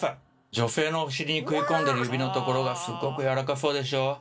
女性のお尻に食い込んでる指のところがすっごく柔らかそうでしょ？